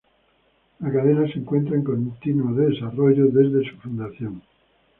La cadena se encuentra en continuo desarrollo desde su fundación.